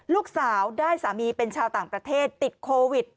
ลูกสาวได้สามีเป็นชาวต่างประเทศติดโควิด